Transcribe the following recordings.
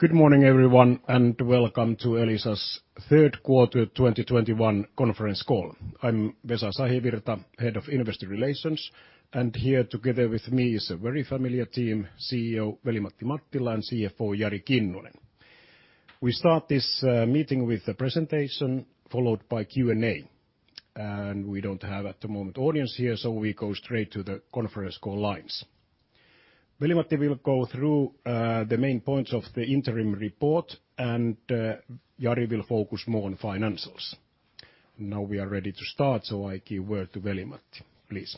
Good morning, everyone, and welcome to Elisa's third quarter 2021 conference call. I'm Vesa Sahivirta, Head of Investor Relations, and here together with me is a very familiar team, CEO Veli-Matti Mattila and CFO Jari Kinnunen. We start this meeting with the presentation, followed by Q&A. We don't have, at the moment, audience here, so we go straight to the conference call lines. Veli-Matti will go through the main points of the interim report, and Jari will focus more on financials. Now we are ready to start, so I give word to Veli-Matti. Please.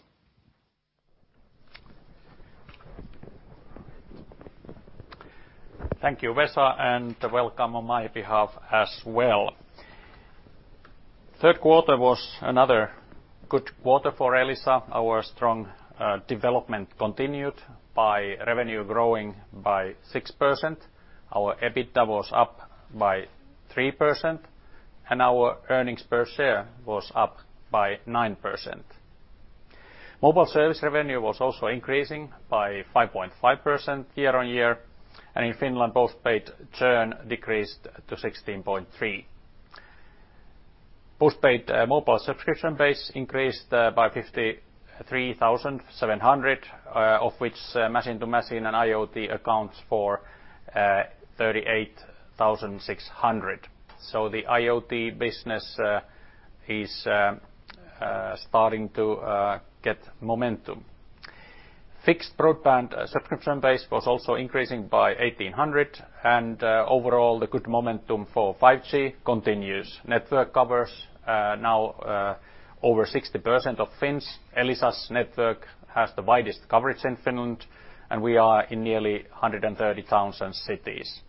Thank you, Vesa, and welcome on my behalf as well. Third quarter was another good quarter for Elisa. Our strong development continued by revenue growing by 6%. Our EBITDA was up by 3%. Our earnings per share was up by 9%. Mobile service revenue was also increasing by 5.5% year-over-year. In Finland, postpaid churn decreased to 16.3%. Postpaid mobile subscription base increased by 53,700, of which machine to machine and IoT accounts for 38,600. The IoT business is starting to get momentum. Fixed broadband subscription base was also increasing by 1,800. Overall, the good momentum for 5G continues. Network covers now over 60% of Finns. Elisa's network has the widest coverage in Finland. We are in nearly 130 towns and cities.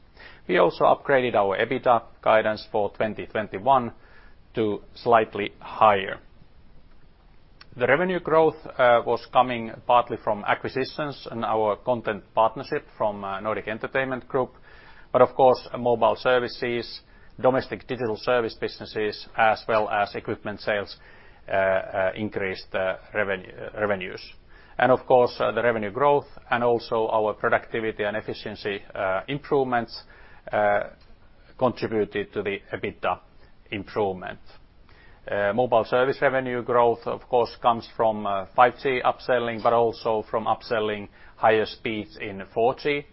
We also upgraded our EBITDA guidance for 2021 to slightly higher. The revenue growth was coming partly from acquisitions and our content partnership from Nordic Entertainment Group. Of course, mobile services, domestic digital service businesses, as well as equipment sales increased revenues. Of course, the revenue growth and also our productivity and efficiency improvements contributed to the EBITDA improvement. Mobile service revenue growth, of course, comes from 5G upselling, but also from upselling higher speeds in 4G.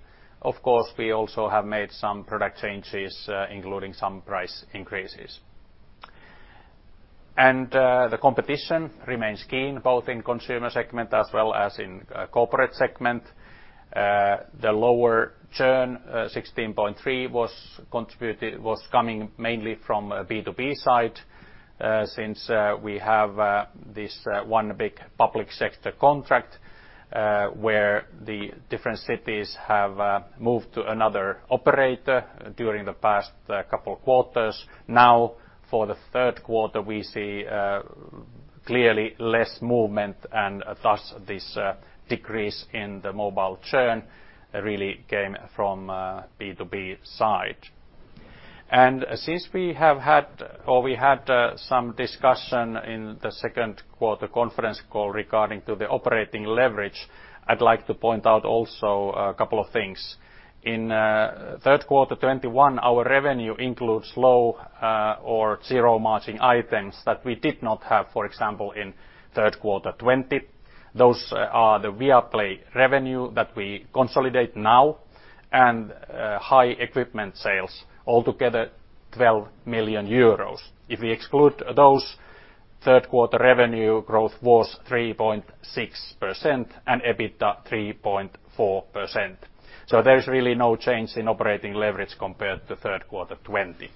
Of course, we also have made some product changes, including some price increases. The competition remains keen, both in consumer segment as well as in corporate segment. The lower churn, 16.3%, was coming mainly from B2B side since we have this one big public sector contract, where the different cities have moved to another operator during the past couple of quarters. For the third quarter, we see clearly less movement, thus this decrease in the mobile churn really came from B2B side. Since we had some discussion in the second quarter conference call regarding to the operating leverage, I'd like to point out also a couple of things. In third quarter 2021, our revenue includes low or zero-margining items that we did not have, for example, in third quarter 2020. Those are the Viaplay revenue that we consolidate now and high equipment sales, altogether 12 million euros. If we exclude those, third quarter revenue growth was 3.6% and EBITDA 3.4%. There's really no change in operating leverage compared to third quarter 2020.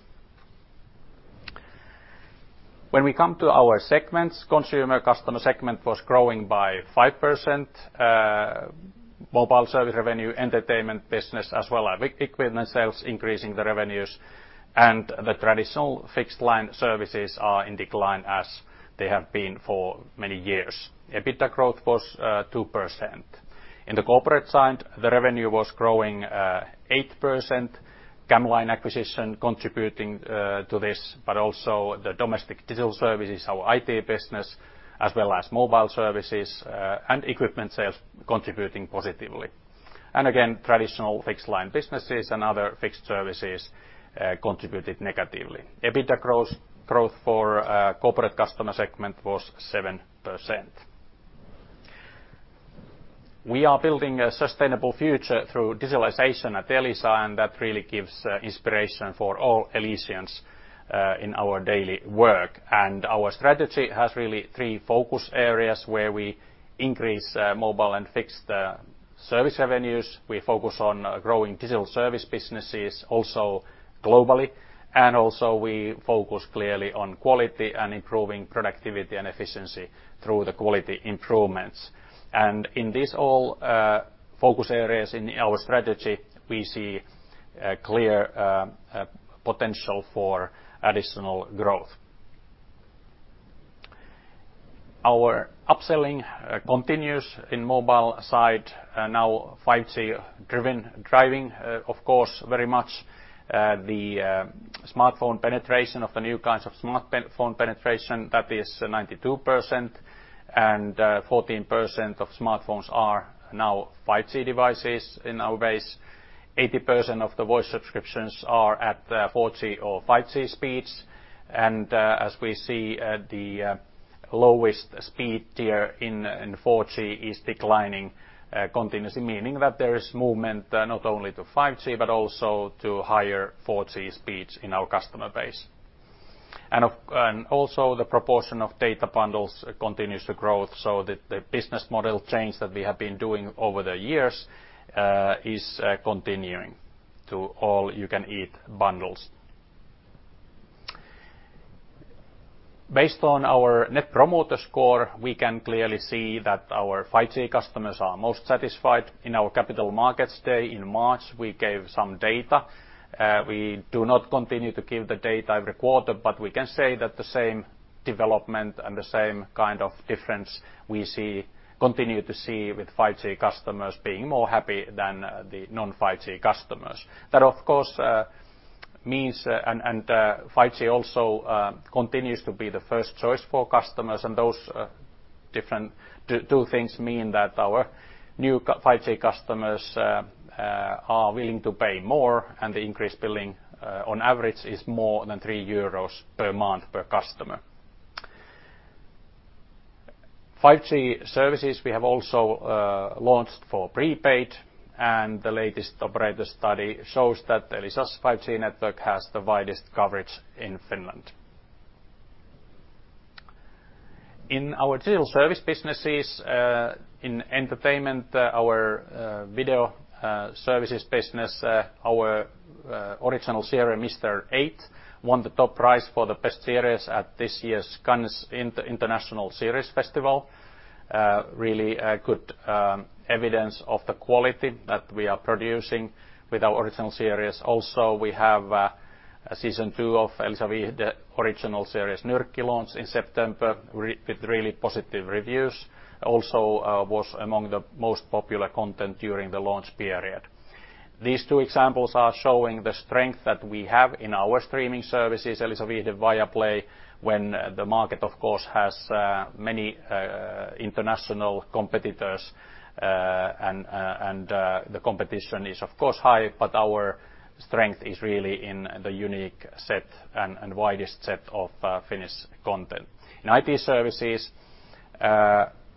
When we come to our segments, consumer customer segment was growing by 5%. Mobile service revenue entertainment business as well as equipment sales increasing the revenues, and the traditional fixed line services are in decline as they have been for many years. EBITDA growth was 2%. In the corporate side, the revenue was growing 8%, camLine acquisition contributing to this, but also the domestic digital services, our IT business, as well as mobile services and equipment sales contributing positively. Again, traditional fixed line businesses and other fixed services contributed negatively. EBITDA growth for corporate customer segment was 7%. We are building a sustainable future through digitalization at Elisa, and that really gives inspiration for all Elisians in our daily work. Our strategy has really three focus areas where we increase mobile and fixed service revenues. We focus on growing digital service businesses also globally, and also we focus clearly on quality and improving productivity and efficiency through the quality improvements. In this all focus areas in our strategy, we see a clear potential for additional growth. Our upselling continues in mobile side now 5G driving, of course, very much the smartphone penetration of the new kinds of smartphone penetration that is 92% and 14% of smartphones are now 5G devices in our base. 80% of the voice subscriptions are at 4G or 5G speeds. As we see the lowest speed tier in 4G is declining continuously, meaning that there is movement not only to 5G, but also to higher 4G speeds in our customer base. Also the proportion of data bundles continues to grow, so the business model change that we have been doing over the years is continuing to all you can eat bundles. Based on our Net Promoter Score, we can clearly see that our 5G customers are most satisfied. In our Capital Markets Day in March, we gave some data. We do not continue to give the data every quarter, we can say that the same development and the same kind of difference we continue to see with 5G customers being more happy than the non-5G customers. That, of course, means 5G also continues to be the first choice for customers. Those different two things mean that our new 5G customers are willing to pay more, and the increased billing, on average, is more than 3 euros per month per customer. 5G services we have also launched for prepaid, and the latest operator study shows that Elisa's 5G network has the widest coverage in Finland. In our digital service businesses, in entertainment our video services business our original series, Mister 8, won the top prize for the best series at this year's Cannes International Series Festival. Really good evidence of the quality that we are producing with our original series. Also, we have season two of Elisa Viihde original series, Nyrkki, launch in September with really positive reviews. Also, it was among the most popular content during the launch period. These two examples are showing the strength that we have in our streaming services, Elisa Viihde Viaplay, when the market, of course, has many international competitors, and the competition is, of course, high, but our strength is really in the unique set and widest set of Finnish content. In IP services,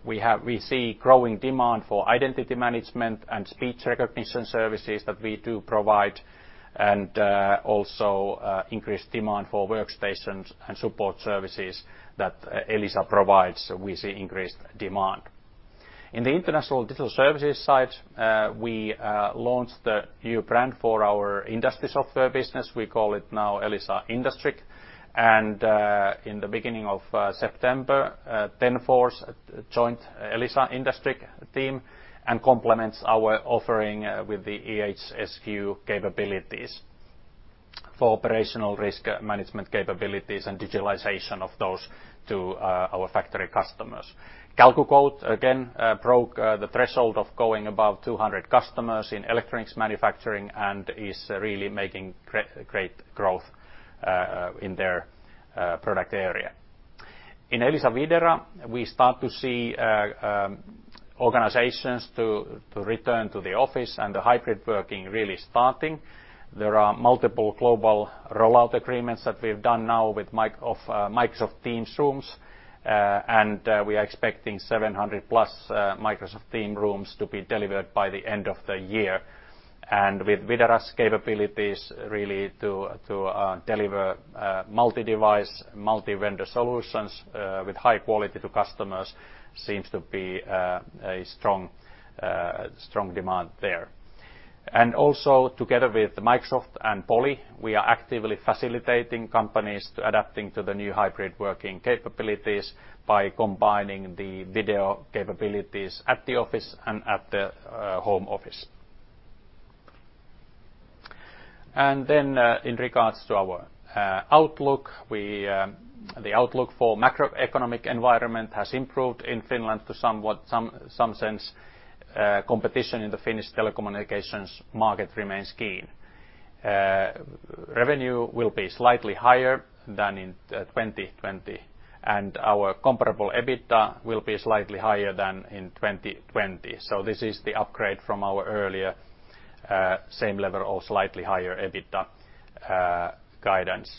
we see growing demand for identity management and speech recognition services that we do provide and also increased demand for workstations and support services that Elisa provides. We see increased demand. In the international digital services side, we launched the new brand for our industry software business. We call it now Elisa IndustrIQ. In the beginning of September, TenForce joined Elisa IndustrIQ team and complements our offering with the EHSQ capabilities for operational risk management capabilities and digitalization of those to our factory customers. CalcuQuote again broke the threshold of going above 200 customers in electronics manufacturing and is really making great growth in their product area. In Elisa Videra, we start to see organizations to return to the office and the hybrid working really starting. There are multiple global rollout agreements that we've done now with Microsoft Teams Rooms. We are expecting 700+ Microsoft Teams Rooms to be delivered by the end of the year. With Videra's capabilities really to deliver multi-device, multi-vendor solutions with high quality to customers seems to be a strong demand there. Together with Microsoft and Poly, we are actively facilitating companies to adapting to the new hybrid working capabilities by combining the video capabilities at the office and at the home office. In regards to our outlook, the outlook for macroeconomic environment has improved in Finland to somewhat some sense competition in the Finnish telecommunications market remains keen. Revenue will be slightly higher than in 2020, and our comparable EBITDA will be slightly higher than in 2020. This is the upgrade from our earlier same level or slightly higher EBITDA guidance.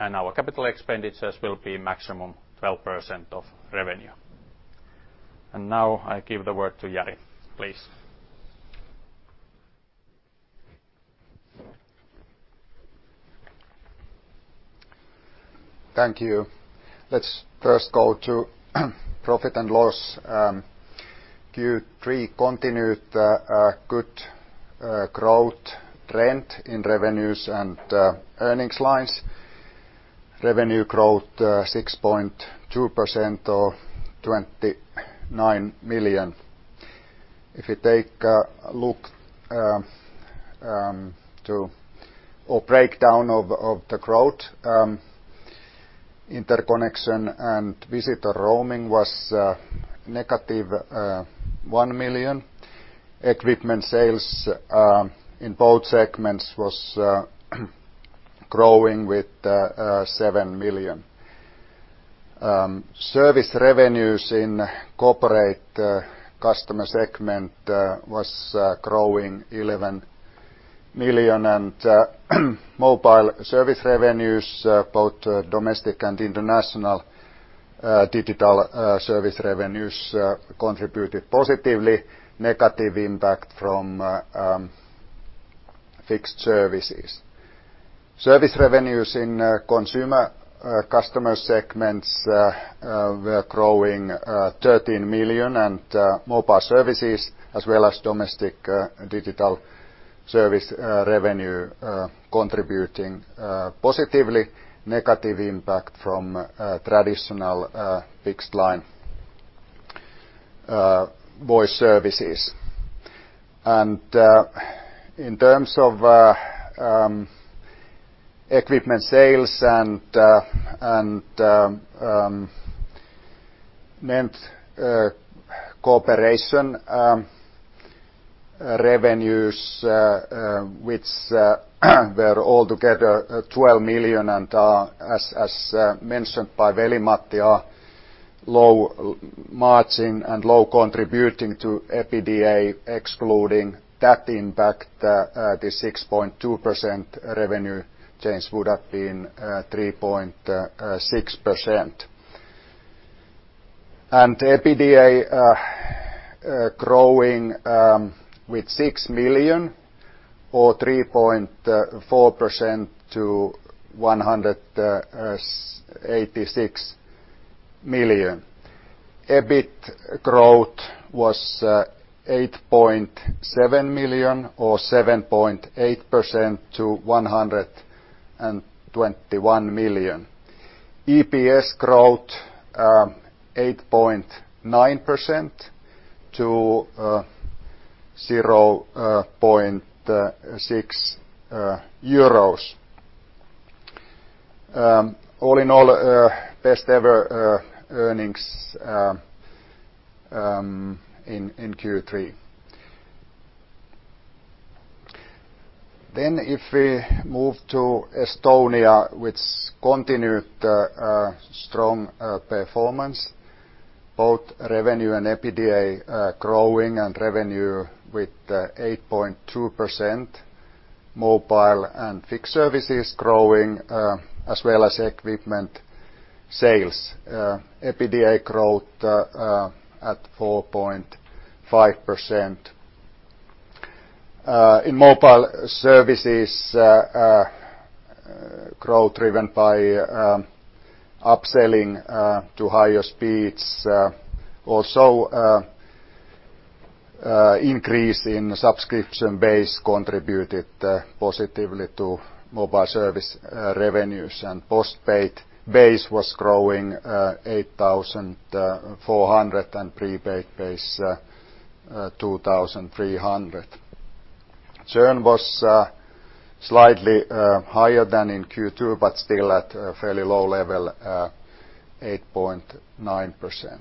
Our capital expenditures will be maximum 12% of revenue. I give the word to Jari, please. Thank you. Let's first go to profit and loss. Q3 continued a good growth trend in revenues and earnings lines. Revenue growth 6.2% or 29 million. If you take a look to our breakdown of the growth, interconnection and visitor roaming was negative 1 million. Equipment sales in both segments was growing with EUR 7 million. Service revenues in corporate Customer segment was growing 11 million, and mobile service revenues, both domestic and international digital service revenues contributed positively, negative impact from fixed services. Service revenues in consumer customer segments were growing 13 million, and mobile services as well as domestic digital service revenue contributing positively, negative impact from traditional fixed line voice services. In terms of equipment sales and NENT cooperation revenues, which were all together 12 million, as mentioned by Veli-Matti, are low margin and low contributing to EBITDA. Excluding that impact, the 6.2% revenue change would have been 3.6%. EBITDA growing with 6 million or 3.4% to 186 million. EBIT growth was 8.7 million or 7.8% to 121 million. EPS growth 9% to EUR 0.6. All in all, best-ever earnings in Q3. If we move to Estonia, which continued strong performance, both revenue and EBITDA growing, and revenue with 8.2%, mobile and fixed services growing, as well as equipment sales. EBITDA growth at 4.5%. In mobile services, growth driven by upselling to higher speeds. Also, increase in subscription base contributed positively to mobile service revenues. Postpaid base was growing 8,400, and prepaid base 2,300. Churn was slightly higher than in Q2, but still at a fairly low level, 8.9%.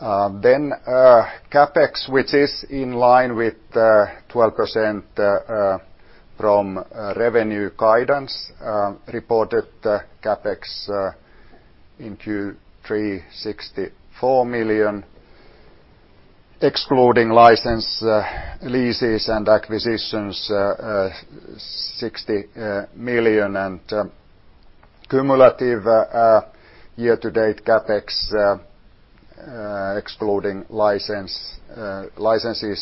CapEx, which is in line with 12% from revenue guidance, reported CapEx in Q3 64 million, excluding license leases and acquisitions, 60 million, and cumulative year-to-date CapEx, excluding licenses,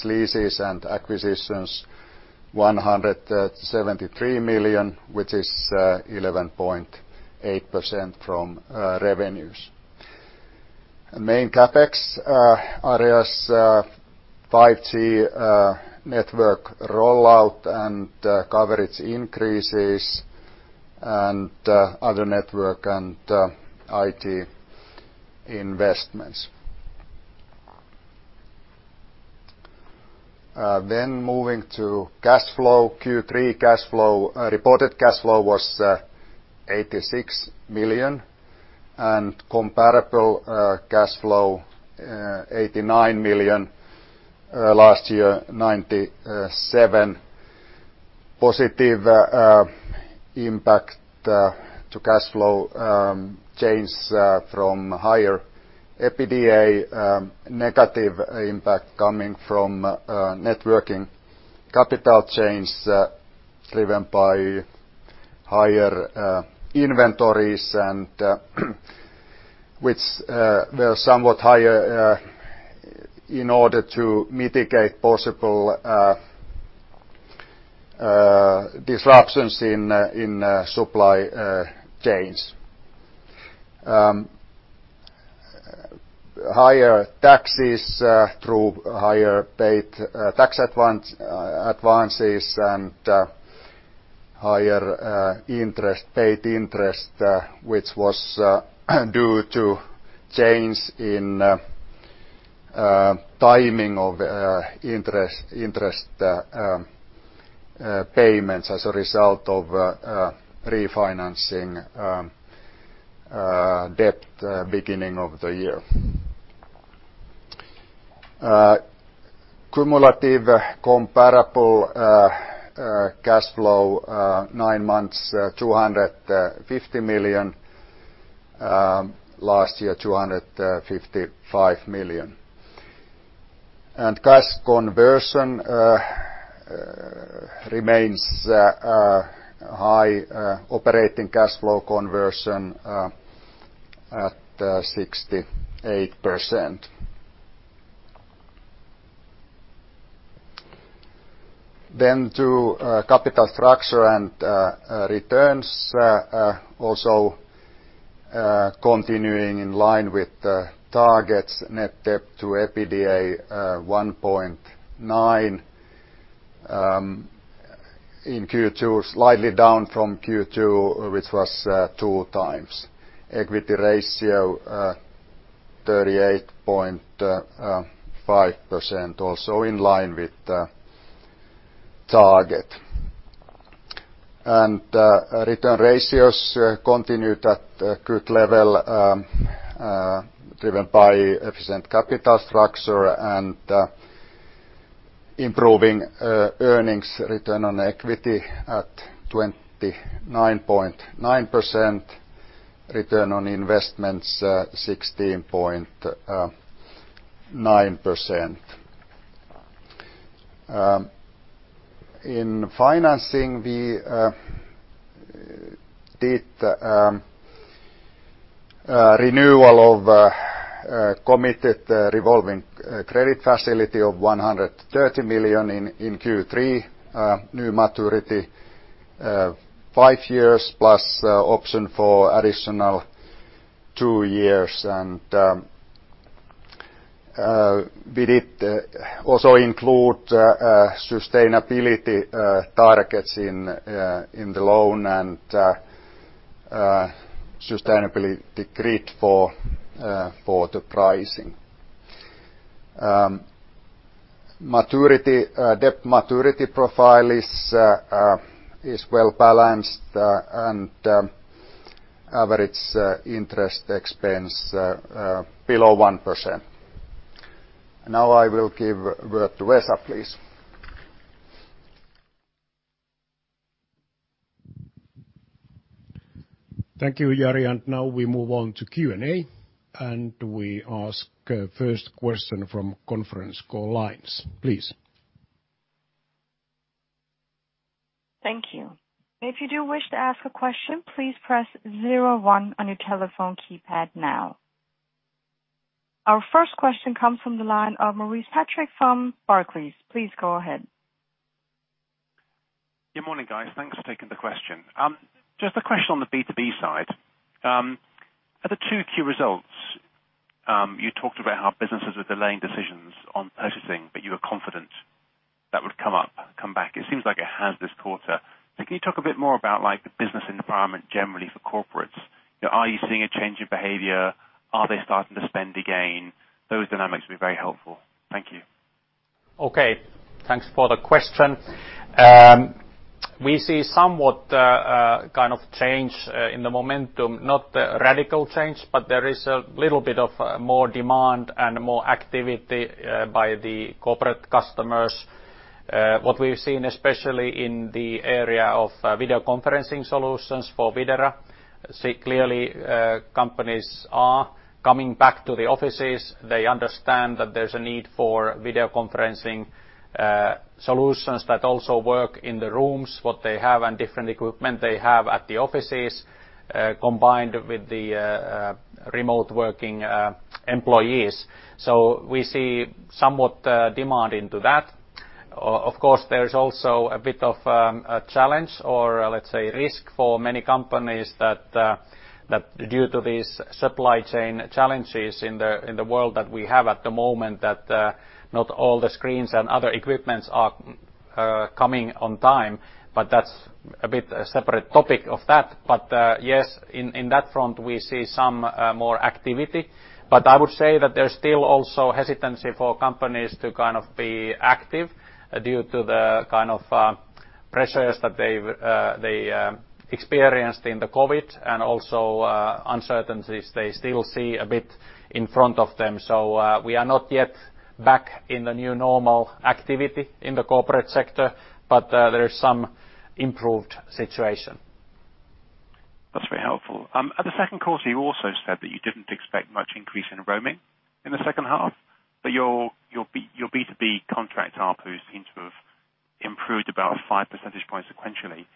leases, and acquisitions, 173 million, which is 11.8% from revenues. Main CapEx areas, 5G network rollout and coverage increases, and other network and IT investments. Moving to cash flow. Q3 reported cash flow was 86 million, and comparable cash flow 89 million, last year, 97 million. Positive impact to cash flow change from higher EBITDA, negative impact coming from net working capital change driven by higher inventories and which were somewhat higher in order to mitigate possible disruptions in supply chains. Higher taxes through higher paid tax advances. Higher paid interest, which was due to change in timing of interest payments as a result of refinancing debt beginning of the year. Cumulative comparable cash flow nine months 250 million. Last year, 255 million. Cash conversion remains high operating cash flow conversion at 68%. Capital structure and returns also continuing in line with the targets net debt to EBITDA 1.9 in Q2, slightly down from Q2, which was 2x. Equity ratio 38.5%, also in line with the target. Return ratios continued at a good level, driven by efficient capital structure and improving earnings return on equity at 29.9%, return on investments 16.9%. In financing we did renewal of committed revolving credit facility of 130 million in Q3, new maturity 5+ years option for additional two years. We did also include sustainability targets in the loan and sustainability grid for the pricing. Debt maturity profile is well-balanced and average interest expense below 1%. I will give word to Vesa, please. Thank you, Jari. Now we move on to Q&A. We ask first question from conference call lines, please. Thank you. If you do wish to ask a question, please press zero one on your telephone keypad now. Our first question comes from the line of Maurice Patrick from Barclays. Please go ahead. Good morning, guys. Thanks for taking the question. Just a question on the B2B side. At the 2Q results, you talked about how businesses were delaying decisions on purchasing, but you were confident that would come back. It seems like it has this quarter. Can you talk a bit more about, like, the business environment generally for corporates? Are you seeing a change in behavior? Are they starting to spend again? Those dynamics would be very helpful. Thank you. Thanks for the question. We see somewhat kind of change in the momentum, not radical change, but there is a little bit of more demand and more activity by the corporate customers. What we've seen, especially in the area of video conferencing solutions for Videra, companies are coming back to the offices. They understand that there's a need for video conferencing solutions that also work in the rooms, what they have and different equipment they have at the offices, combined with the remote working employees. We see somewhat demand into that. Of course, there's also a bit of a challenge or, let's say, risk for many companies that due to these supply chain challenges in the world that we have at the moment, that not all the screens and other equipment are coming on time. That's a bit of a separate topic of that. Yes, in that front, we see some more activity. I would say that there's still also hesitancy for companies to kind of be active due to the kind of pressures that they experienced in the COVID and also uncertainties they still see a bit in front of them. We are not yet back in the new normal activity in the corporate sector, but there is some improved situation. That's very helpful. At the second quarter, you also said that you didn't expect much increase in roaming in the second half, but your B2B contract ARPU seem to have improved about 5 percentage points sequentially.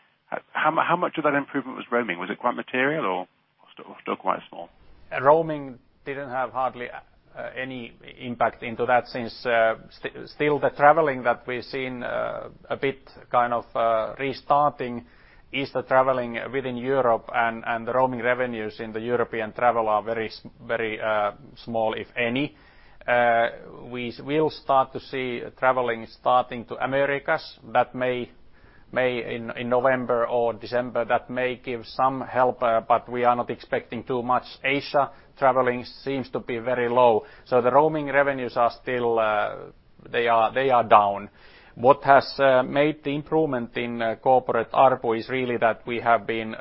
How much of that improvement was roaming? Was it quite material or still quite small? Roaming didn't have hardly any impact into that since still the traveling that we're seeing a bit kind of restarting is the traveling within Europe and the roaming revenues in the European travel are very small, if any. We will start to see traveling starting to Americas that may in November or December that may give some help. We are not expecting too much. Asia traveling seems to be very low. The roaming revenues are still, they are down. What has made the improvement in corporate ARPU is really that we have been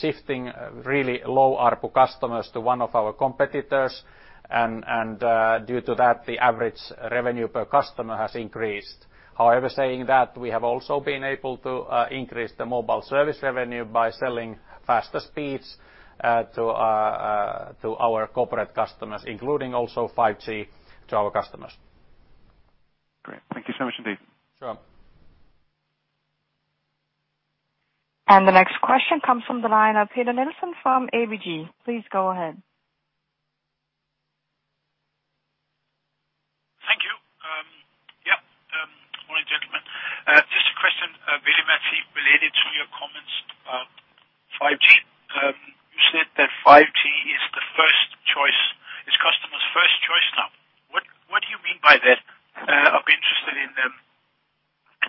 shifting really low ARPU customers to one of our competitors. Due to that, the average revenue per customer has increased. However, saying that, we have also been able to increase the mobile service revenue by selling faster speeds to our corporate customers, including also 5G to our customers. Great. Thank you so much indeed. Sure. The next question comes from the line of Peter Nielsen from ABG. Please go ahead. Thank you. Good morning, gentlemen. Just a question, Veli-Matti, related to your comments about 5G. You said that 5G is customers' first choice now. What do you mean by that? I will be interested in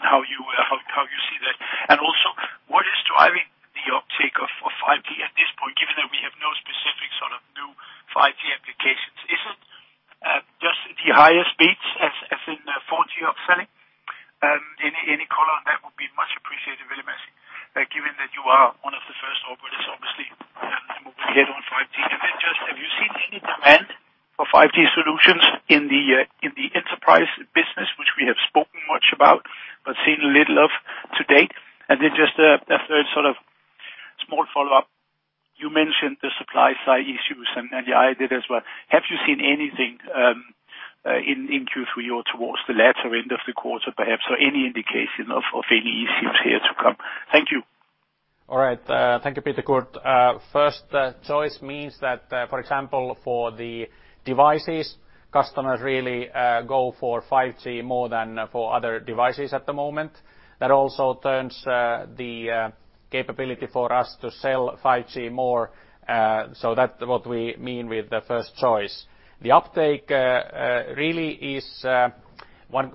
how you see that. Also, what is driving the uptake of 5G at this point, given that we have no specific sort of new 5G applications? Is it just the higher speeds as in 4G upselling? Any color on that would be much appreciated, Veli-Matti. Given that you are one of the first operators, obviously, moving ahead on 5G. Then just have you seen any demand for 5G solutions in the enterprise business, which we have spoken much about, but seen little of to date? Then just a third sort of small follow-up. You mentioned the supply side issues, and I did as well. Have you seen anything in Q3 or towards the latter end of the quarter, perhaps, or any indication of any issues here to come? Thank you. All right. Thank you, Peter. Good. First choice means that for example, for the devices, customers really go for 5G more than for other devices at the moment. That also turns the capability for us to sell 5G more, so that's what we mean with the first choice. The uptake really is,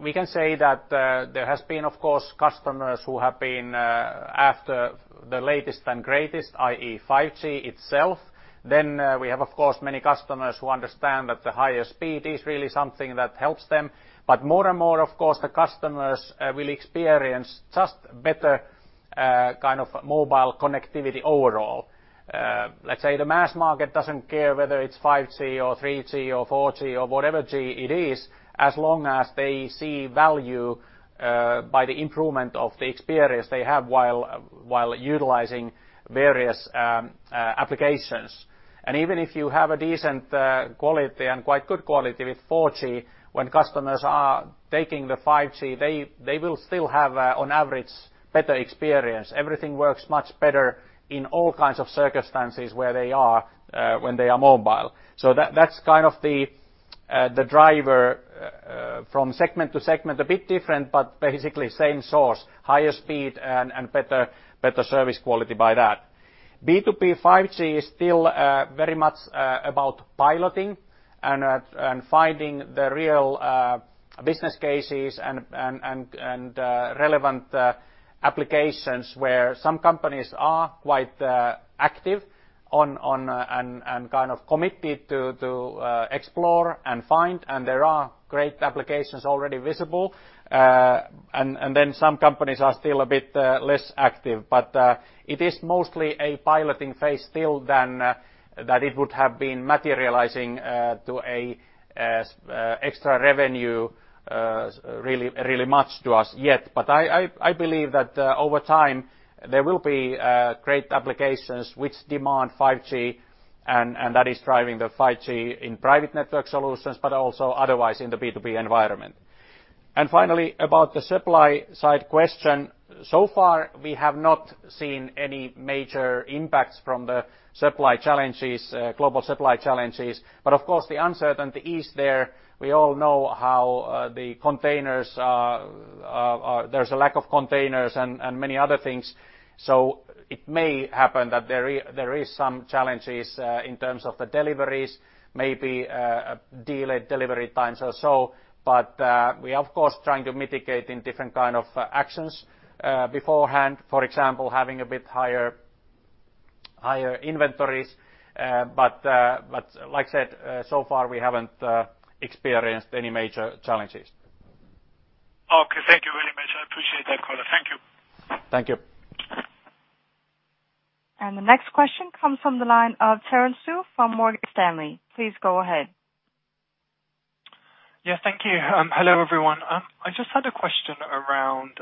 we can say that there has been, of course, customers who have been after the latest and greatest, i.e. 5G itself. We have, of course, many customers who understand that the higher speed is really something that helps them. More and more, of course, the customers will experience just better mobile connectivity overall. Let's say the mass market doesn't care whether it's 5G or 3G or 4G or whatever G it is, as long as they see value by the improvement of the experience they have while utilizing various applications. Even if you have a decent quality and quite good quality with 4G, when customers are taking the 5G, they will still have on average, better experience. Everything works much better in all kinds of circumstances where they are when they are mobile. That's kind of the driver from segment to segment, a bit different, but basically the same source, higher speed and better service quality by that. B2B 5G is still very much about piloting and finding the real business cases and relevant applications where some companies are quite active on and kind of committed to explore and find, and there are great applications already visible. Some companies are still a bit less active. It is mostly a piloting phase still than that it would have been materializing to an extra revenue really much to us yet. I believe that over time, there will be great applications which demand 5G, and that is driving the 5G in private network solutions, but also otherwise in the B2B environment. Finally, about the supply side question. So far, we have not seen any major impacts from the supply challenges, global supply challenges. Of course, the uncertainty is there. We all know how the containers, there's a lack of containers and many other things. It may happen that there is some challenges in terms of the deliveries, maybe delayed delivery times or so. We are of course trying to mitigate in different kind of actions beforehand, for example, having a bit higher inventories. Like I said, so far we haven't experienced any major challenges. Okay. Thank you Veli-Matti. I appreciate that color. Thank you. Thank you. The next question comes from the line of Terence Tsui from Morgan Stanley. Please go ahead. Yeah, thank you. Hello, everyone. I just had a question around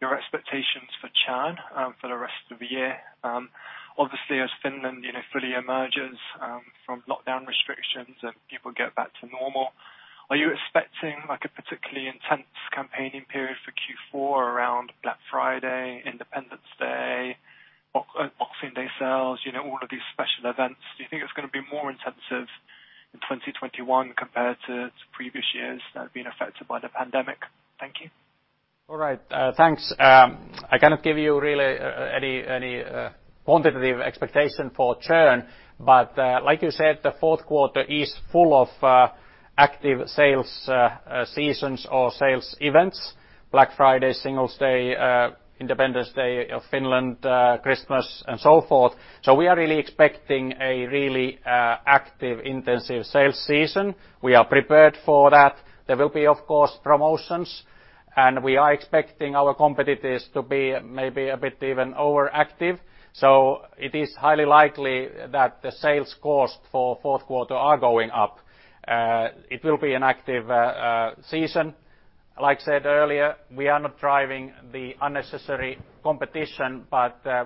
your expectations for churn for the rest of the year. Obviously, as Finland fully emerges from lockdown restrictions and people get back to normal, are you expecting a particularly intense campaigning period for Q4 around Black Friday, Independence Day, Boxing Day sales? All of these special events. Do you think it's going to be more intensive in 2021 compared to previous years that have been affected by the pandemic. Thank you. All right. Thanks. I cannot give you really any quantitative expectation for churn, but like you said, the fourth quarter is full of active sales seasons or sales events, Black Friday, Singles' Day, Independence Day of Finland, Christmas, and so forth. We are really expecting a really active, intensive sales season. We are prepared for that. There will be, of course, promotions, we are expecting our competitors to be maybe a bit even overactive. It is highly likely that the sales costs for fourth quarter are going up. It will be an active season. Like I said earlier, we are not driving the unnecessary competition,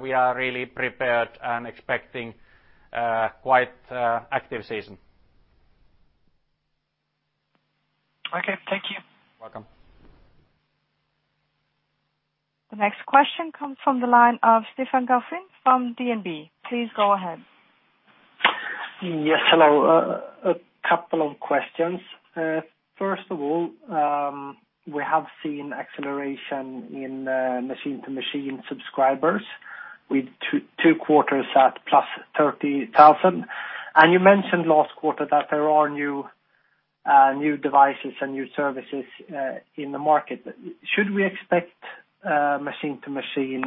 we are really prepared and expecting quite active season. Okay. Thank you. Welcome. The next question comes from the line of Stefan Gauffin from DNB. Please go ahead. Yes. Hello. A couple of questions. First of all, we have seen acceleration in machine-to-machine subscribers with two quarters at +30,000. You mentioned last quarter that there are new devices and new services in the market. Should we expect machine-to-machine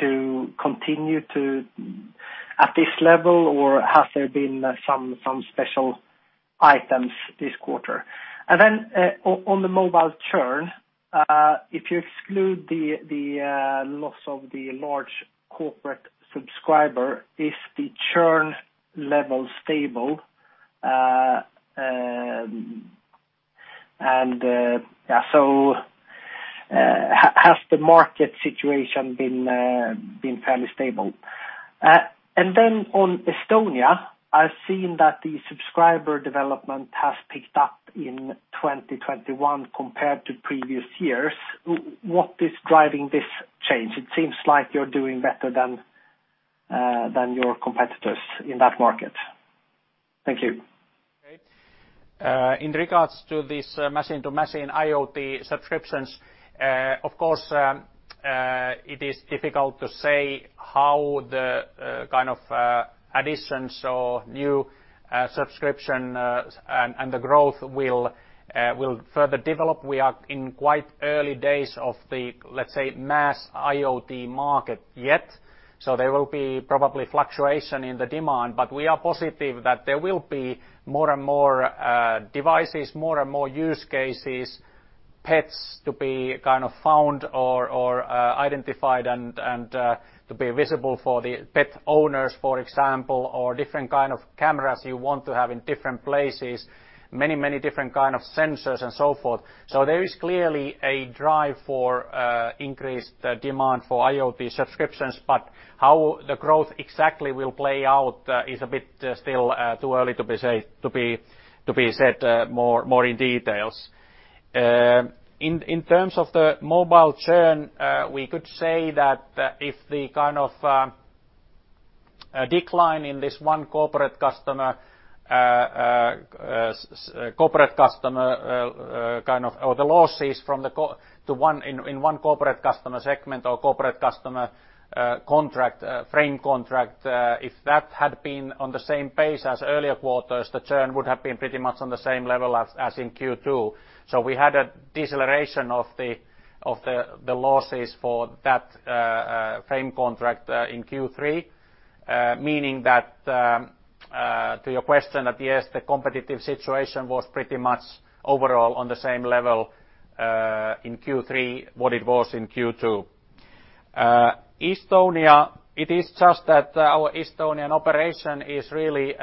to continue at this level, or has there been some special items this quarter? On the mobile churn, if you exclude the loss of the large corporate subscriber, is the churn level stable? Has the market situation been fairly stable? On Estonia, I've seen that the subscriber development has picked up in 2021 compared to previous years. What is driving this change? It seems like you're doing better than your competitors in that market. Thank you. In regards to this machine-to-machine IoT subscriptions, of course, it is difficult to say how the kind of additions or new subscription and the growth will further develop. We are in quite early days of the, let's say, mass IoT market yet. There will be probably fluctuation in the demand, but we are positive that there will be more and more devices, more and more use cases, pets to be kind of found or identified and to be visible for the pet owners, for example, or different kind of cameras you want to have in different places. Many, many different kind of sensors and so forth. There is clearly a drive for increased demand for IoT subscriptions. How the growth exactly will play out is a bit still too early to be said more in details. In terms of the mobile churn, we could say that if the decline in this one corporate customer, or the losses in one corporate customer segment or corporate customer frame contract if that had been on the same pace as earlier quarters, the churn would have been pretty much on the same level as in Q2. We had a deceleration of the losses for that frame contract in Q3, meaning that to your question that, yes, the competitive situation was pretty much overall on the same level in Q3 what it was in Q2. Estonia, it is just that our Estonian operation is really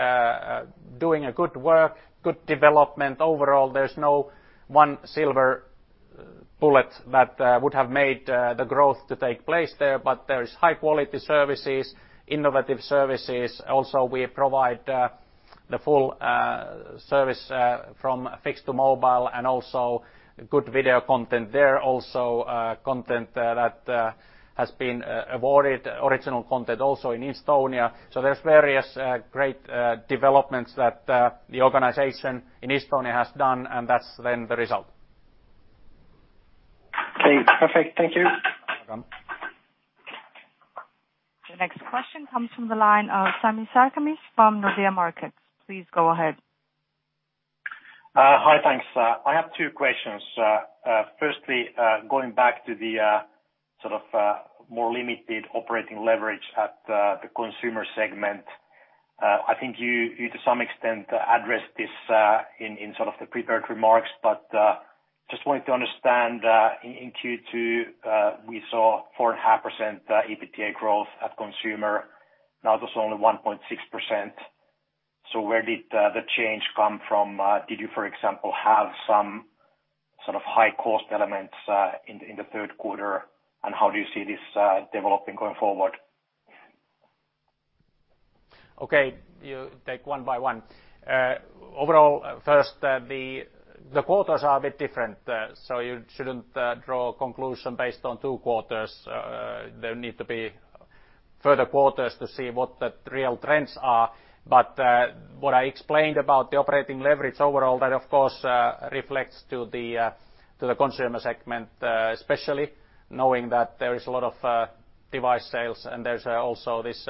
doing a good work, good development overall. There's no one silver bullet that would have made the growth to take place there, but there is high quality services, innovative services. We provide the full service from fixed to mobile and also good video content there also, content that has been awarded original content also in Estonia. There's various great developments that the organization in Estonia has done, and that's then the result. Okay. Perfect. Thank you. Welcome. The next question comes from the line of Sami Sarkamies from Nordea Markets. Please go ahead. Hi, thanks. I have two questions. Firstly, going back to the sort of more limited operating leverage at the consumer segment, I think you to some extent addressed this in sort of the prepared remarks. Just wanted to understand in Q2, we saw 4.5% EBITDA growth at consumer. Now there's only 1.6%. Where did the change come from? Did you, for example, have some sort of high cost elements in the third quarter, and how do you see this developing going forward? Okay. Take one by one. Overall, first, the quarters are a bit different. You shouldn't draw a conclusion based on two quarters. There need to be further quarters to see what the real trends are. What I explained about the operating leverage overall, that of course reflects to the consumer segment, especially knowing that there is a lot of device sales and there's also this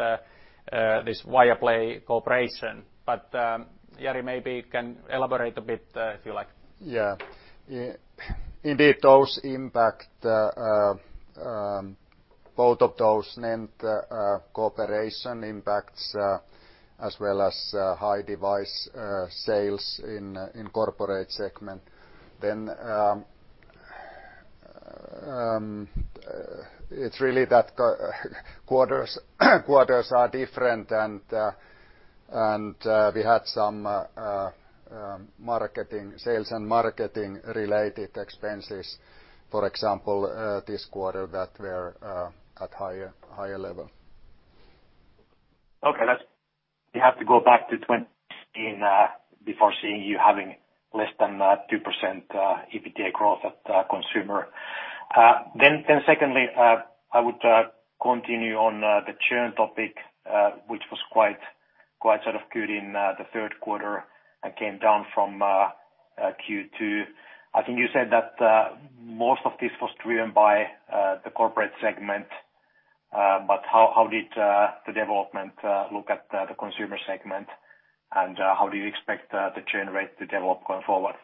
Viaplay cooperation. Jari maybe can elaborate a bit, if you like. Yeah. Indeed, both of those named cooperation impacts as well as high device sales in corporate segment. It's really that quarters are different and we had some sales and marketing related expenses, for example, this quarter that were at higher level. Okay. We have to go back to before seeing you having less than 2% EBITDA growth at consumer. Secondly, I would continue on the churn topic, which was quite sort of good in the third quarter and came down from Q2. I think you said that most of this was driven by the corporate segment. How did the development look at the consumer segment, and how do you expect the churn rate to develop going forward?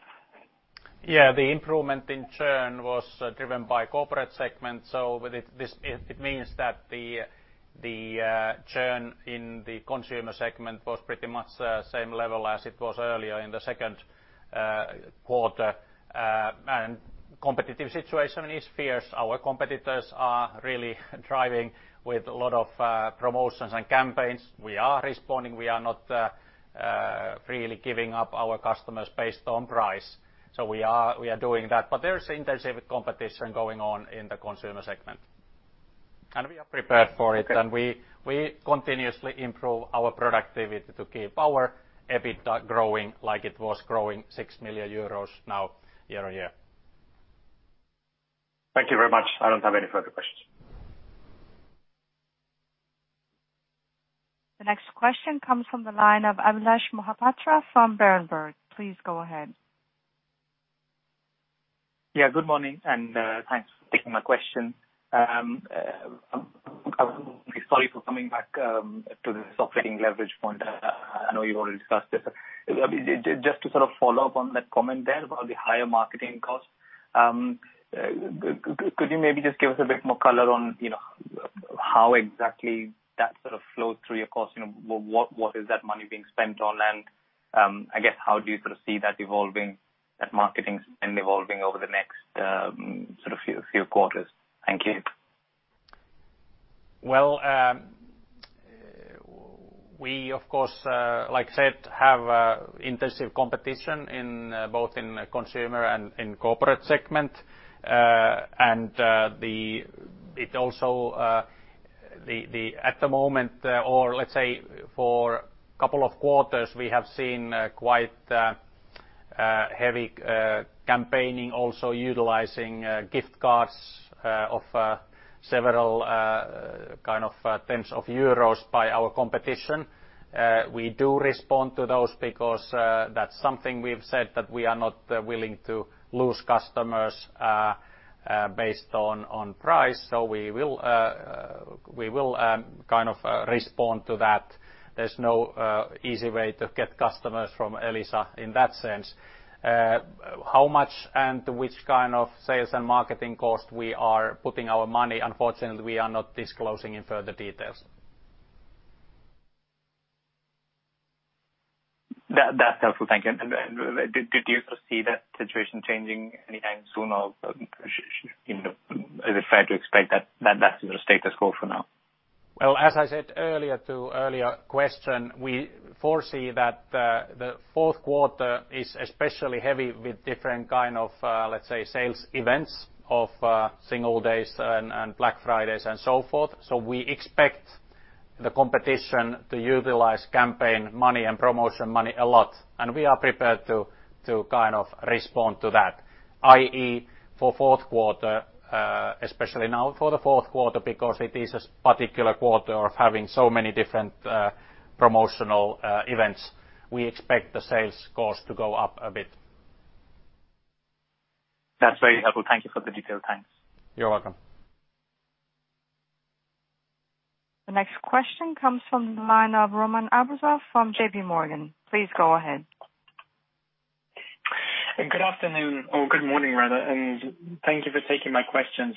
Yeah. The improvement in churn was driven by corporate segment. It means that the churn in the consumer segment was pretty much same level as it was earlier in the second quarter. Competitive situation is fierce. Our competitors are really driving with a lot of promotions and campaigns. We are responding. We are not freely giving up our customers based on price. We are doing that. There's intensive competition going on in the consumer segment, and we are prepared for it. Okay. We continuously improve our productivity to keep our EBITDA growing like it was growing 6 million euros now year-on-year. Thank you very much. I don't have any further questions. The next question comes from the line of Abhilash Mohapatra from Berenberg. Please go ahead. Yeah. Good morning. Thanks for taking my question. Sorry for coming back to this operating leverage point. I know you already discussed it, but just to sort of follow up on that comment there about the higher marketing cost. Could you maybe just give us a bit more color on how exactly that sort of flows through your cost? What is that money being spent on? I guess, how do you sort of see that marketing spend evolving over the next sort of few quarters? Thank you. Well, we of course, like I said, have intensive competition both in consumer and in corporate segment. At the moment or, let's say, for couple of quarters, we have seen quite heavy campaigning also utilizing gift cards of several kind of euros by our competition. We do respond to those because that's something we've said that we are not willing to lose customers based on price. We will kind of respond to that. There's no easy way to get customers from Elisa in that sense. How much and which kind of sales and marketing cost we are putting our money, unfortunately, we are not disclosing in further details. That's helpful. Thank you. Did you foresee that situation changing anytime soon, or is it fair to expect that that's your status quo for now? As I said earlier to earlier question, we foresee that the fourth quarter is especially heavy with different kind of, let's say, sales events of Singles' Day and Black Friday and so forth. We expect the competition to utilize campaign money and promotion money a lot, and we are prepared to kind of respond to that, i.e., for fourth quarter, especially now for the fourth quarter, because it is a particular quarter of having so many different promotional events. We expect the sales cost to go up a bit. That's very helpful. Thank you for the detail. Thanks. You're welcome. The next question comes from the line of Roman Arbuzov from JPMorgan. Please go ahead. Good afternoon or good morning, rather, thank you for taking my questions.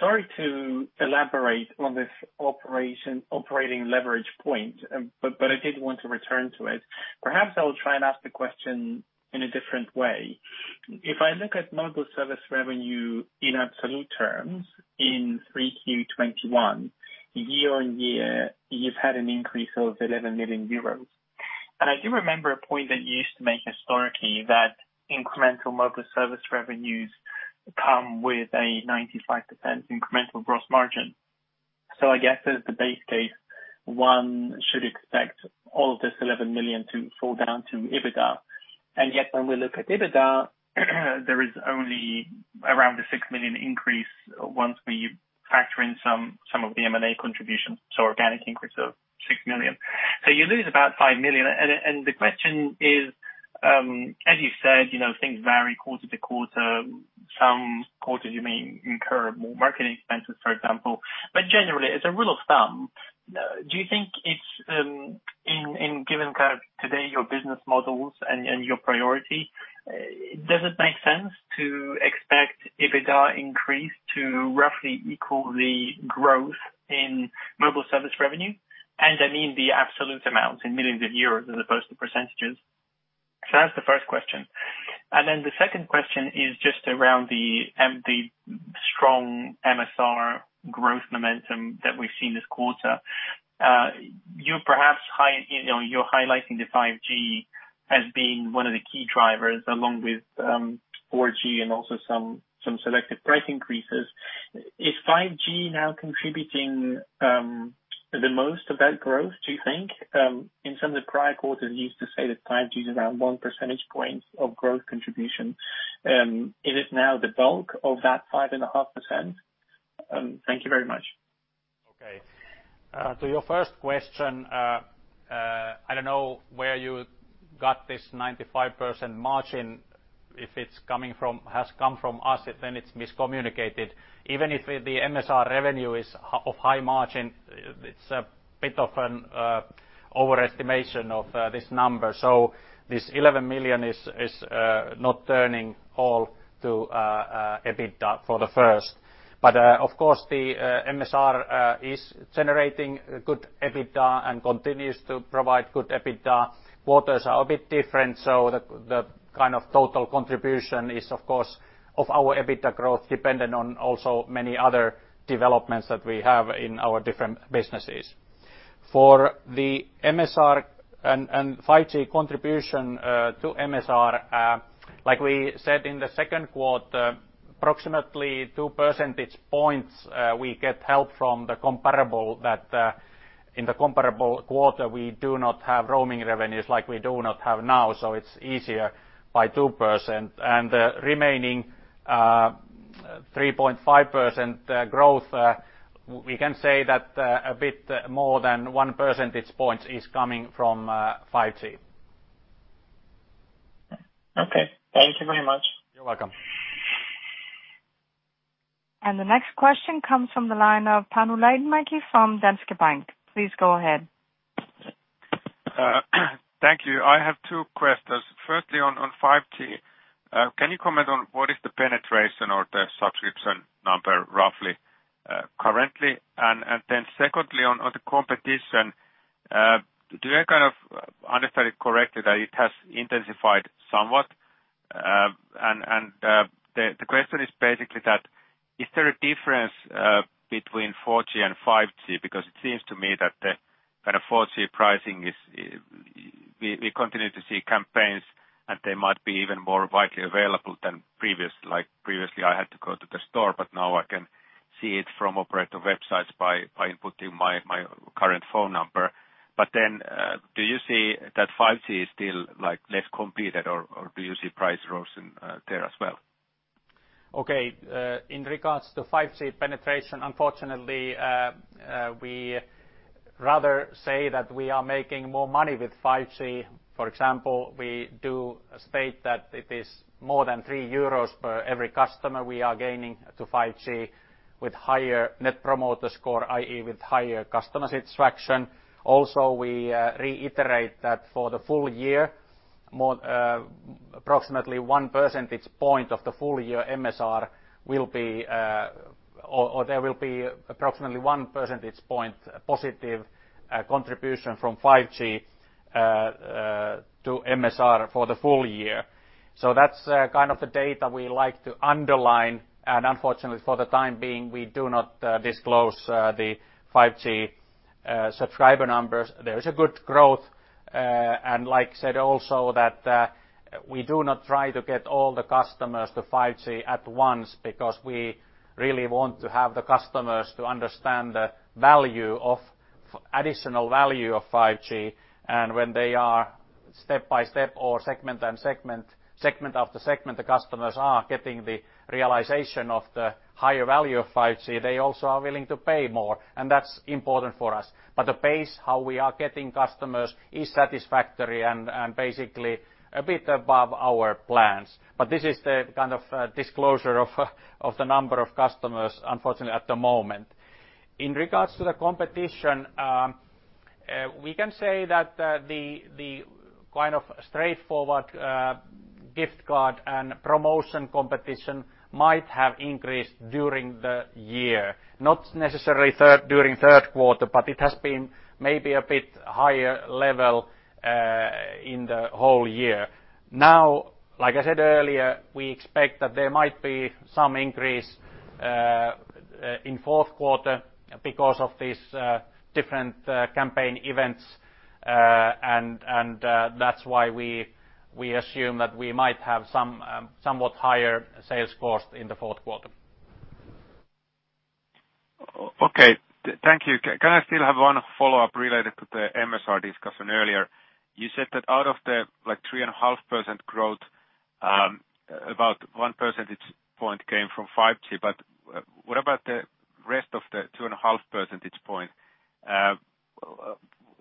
Sorry to elaborate on this operating leverage point. I did want to return to it. Perhaps I will try and ask the question in a different way. If I look at mobile service revenue in absolute terms, in 3Q 2021, year-on-year, you've had an increase of 11 million euros. I do remember a point that you used to make historically that incremental mobile service revenues come with a 95% incremental gross margin. I guess as the base case one should expect all of this 11 million to fall down to EBITDA. Yet when we look at EBITDA, there is only around a 6 million increase once we factor in some of the M&A contributions, so organic increase of 6 million. You lose about 5 million. The question is, as you said, things vary quarter to quarter. Some quarters you may incur more marketing expenses, for example. Generally, as a rule of thumb, do you think, in given kind of today your business models and your priority, does it make sense to expect EBITDA increase to roughly equal the growth in mobile service revenue? I mean the absolute amounts in millions of euros as opposed to percent to. That's the first question. The second question is just around the strong MSR growth momentum that we've seen this quarter. You're highlighting the 5G as being one of the key drivers along with 4G and also some selected price increases. Is 5G now contributing the most of that growth, do you think? In some of the prior quarters, you used to say that 5G is around 1 percentage point of growth contribution. Is it now the bulk of that 5.5%? Thank you very much. To your first question, I don't know where you got this 95% margin. If it has come from us, it's miscommunicated. Even if the MSR revenue is of high margin, it's a bit of an overestimation of this number. This 11 million is not turning all to EBITDA for the first. Of course, the MSR is generating good EBITDA and continues to provide good EBITDA. Quarters are a bit different, the kind of total contribution is, of course, of our EBITDA growth dependent on also many other developments that we have in our different businesses. For the MSR and 5G contribution to MSR, like we said in the second quarter, approximately 2 percentage points we get help from the comparable that in the comparable quarter, we do not have roaming revenues like we do not have now, it's easier by 2%. The remaining 3.5% growth, we can say that a bit more than 1 percentage point is coming from 5G. Okay. Thank you very much. You're welcome. The next question comes from the line of Panu Laitinmäki from Danske Bank. Please go ahead. Thank you. I have two questions. Firstly, on 5G, can you comment on what is the penetration or the subscription number roughly, currently? Secondly, on the competition, do I kind of understand it correctly that it has intensified somewhat? The question is basically that, is there a difference between 4G and 5G? Because it seems to me that the kind of 4G pricing, we continue to see campaigns, and they might be even more widely available than previous. Like previously I had to go to the store, but now I can see it from operator websites by inputting my current phone number. Do you see that 5G is still less competed, or do you see price rose in there as well? In regards to 5G penetration, unfortunately, we rather say that we are making more money with 5G. We do state that it is more than 3 euros per every customer we are gaining to 5G with higher Net Promoter Score, i.e., with higher customer satisfaction. We reiterate that for the full-year, approximately one percentage point of the full-year MSR will be or there will be approximately one percentage point positive contribution from 5G to MSR for the full-year. That's kind of the data we like to underline, and unfortunately for the time being, we do not disclose the 5G subscriber numbers. There is a good growth, and like I said also that we do not try to get all the customers to 5G at once because we really want to have the customers to understand the additional value of 5G. When they are step by step or segment after segment, the customers are getting the realization of the higher value of 5G. They also are willing to pay more, and that's important for us. The pace how we are getting customers is satisfactory and basically a bit above our plans. This is the kind of disclosure of the number of customers, unfortunately, at the moment. In regards to the competition, we can say that the kind of straightforward gift card and promotion competition might have increased during the year. Not necessarily during third quarter, but it has been maybe a bit higher level in the whole year. Like I said earlier, we expect that there might be some increase in fourth quarter because of these different campaign events. That's why we assume that we might have somewhat higher sales cost in the fourth quarter. Okay. Thank you. Can I still have one follow-up related to the MSR discussion earlier? You said that out of the 3.5% growth, about 1 percentage point came from 5G, but what about the rest of the 2.5 percentage point?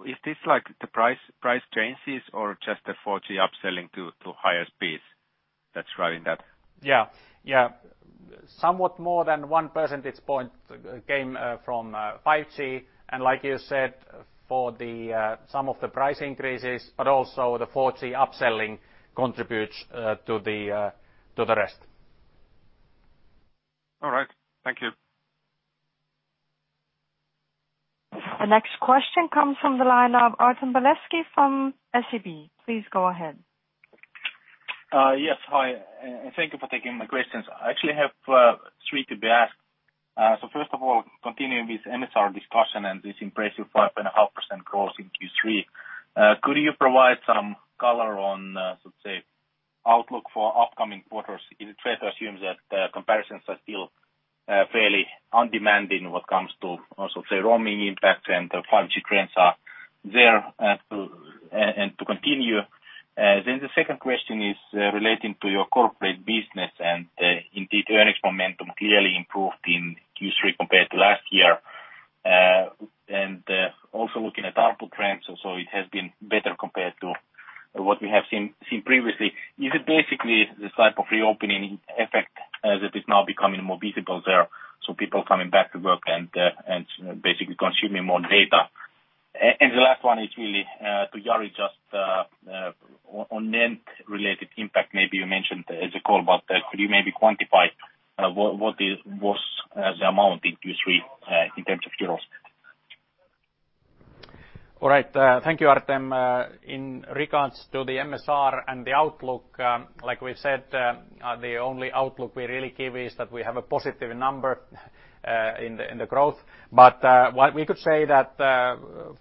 Is this the price changes or just the 4G upselling to higher speeds that's driving that? Yeah. Somewhat more than one percentage point came from 5G, and like you said, for the sum of the price increases, but also the 4G upselling contributes to the rest. All right. Thank you. The next question comes from the line of Artem Beletski from SEB. Please go ahead. Yes. Hi, thank you for taking my questions. I actually have three to be asked. First of all, continuing with MSR discussion and this impressive 5.5% growth in Q3, could you provide some color on, let's say, outlook for upcoming quarters? Is it fair to assume that comparisons are still fairly undemanding in what comes to, also say, roaming impact and 5G trends are there and to continue? The second question is relating to your corporate business and indeed earnings momentum clearly improved in Q3 compared to last year. Also looking at output trends, it has been better compared to what we have seen previously. Is it basically this type of reopening effect that is now becoming more visible there, so people coming back to work and basically consuming more data? The last one is really to Jari, just on NENT-related impact, maybe you mentioned as a call, but could you maybe quantify what was the amount in Q3, in terms of euros? All right. Thank you, Artem. In regards to the MSR and the outlook, like we've said, the only outlook we really give is that we have a positive number in the growth. What we could say that